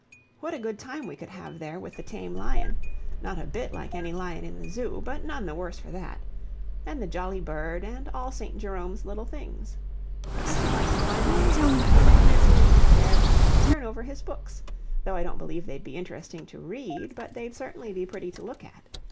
What a good time we could have there with the tame lion (not a bit like any lion in the Zoo, but none the worse for that) and the jolly bird, and all St. Jerome's little things. I should like to climb on to his platform and sit in his chair and turn over his books, though I don't believe they'd be interesting to read, but they'd certainly be pretty to look at.